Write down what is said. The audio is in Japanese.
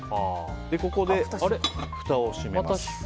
ここで、ふたを閉めます。